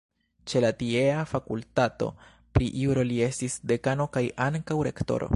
Ĉe la tiea fakultato pri juro li estis dekano kaj ankaŭ rektoro.